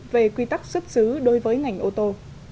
về quy tắc xuất xứ đối với ngành ô tô